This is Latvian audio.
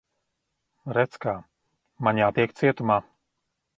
Redz, kā. Man jātiek cietumā.